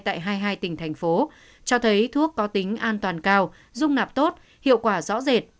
tại hai mươi hai tỉnh thành phố cho thấy thuốc có tính an toàn cao dung nạp tốt hiệu quả rõ rệt